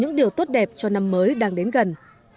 những điều tốt đẹp cho năm mới đang đến gần